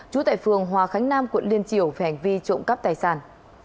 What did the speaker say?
chủ tịch phường hòa khánh nam quận liên triều hành vi trộm cắp tài sản